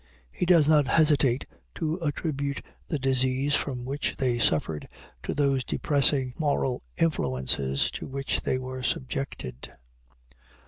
He does not hesitate to attribute the disease from which they suffered to those depressing moral influences to which they were subjected.